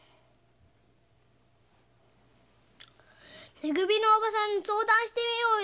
め組のおばさんに相談してみようよ。